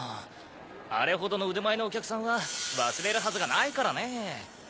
あれほどの腕前のお客さんは忘れるはずがないからね。